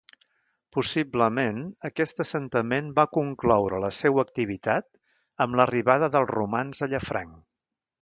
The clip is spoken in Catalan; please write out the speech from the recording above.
Possiblement aquest assentament va concloure la seua activitat amb l'arribada dels romans a Llafranc.